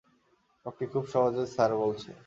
লোকটি খুব সহজেই স্যার বলছে।